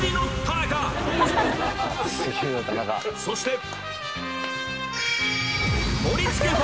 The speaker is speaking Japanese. ［そして］